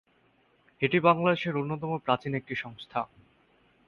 এটি বাংলাদেশের অন্যতম প্রাচীন একটি সংস্থা।